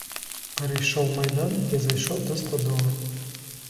Перейшов майдан і зайшов до стодоли.